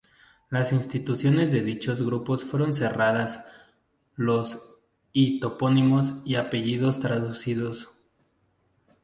Las instituciones de dichos grupos fueron cerradas los y topónimos y apellidos traducidos.